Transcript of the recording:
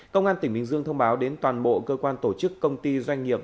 công an tỉnh bình dương thông báo đến toàn bộ cơ quan tổ chức công ty doanh nghiệp